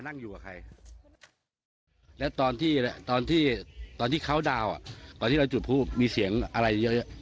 ใช่ค่ะปีที่แล้วก็กินแต่ก็ไม่มีอะไร